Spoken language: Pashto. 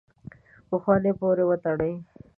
پخوانو پورې وتړي.